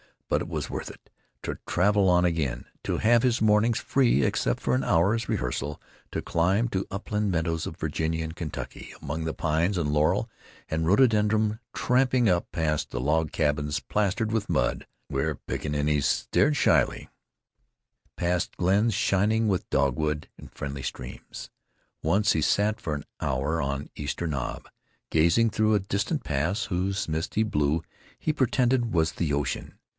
But it was worth it—to travel on again; to have his mornings free except for an hour's rehearsal; to climb to upland meadows of Virginia and Kentucky, among the pines and laurel and rhododendron; tramping up past the log cabins plastered with mud, where pickaninnies stared shyly, past glens shining with dogwood, and friendly streams. Once he sat for an hour on Easter Knob, gazing through a distant pass whose misty blue he pretended was the ocean.